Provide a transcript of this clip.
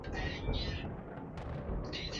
تو باݭ نہ تھ۔